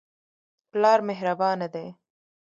پلار مهربانه دی.